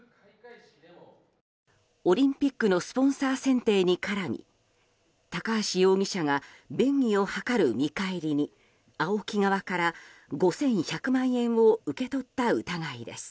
オリンピックのスポンサー選定に絡み高橋容疑者が便宜を図る見返りにＡＯＫＩ側から５１００万円を受け取った疑いです。